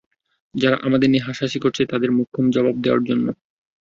যারা আমাদের নিয়ে হাসাহাসি করছে তাদের মোক্ষম জবাব দেওয়ার জন্য।